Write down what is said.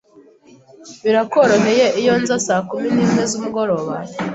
Birakworoheye iyo nza saa kumi nimwe zumugoroba?